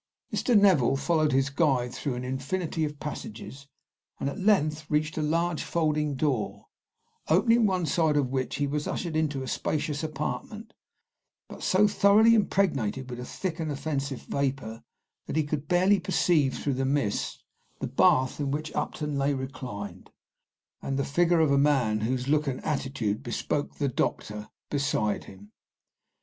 Mr. Neville followed his guide through an infinity of passages, and at length reached a large folding door, opening one side of which he was ushered into a spacious apartment, but so thoroughly impregnated with a thick and offensive vapor that he could barely perceive, through the mist, the bath in which Upton lay reclined, and the figure of a man, whose look and attitude bespoke the doctor, beside him.